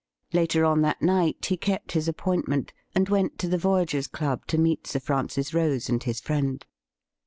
Later on that night he kept his appointment, and went to the Voyagers' Club to meet Sir Francis Rose and his friend.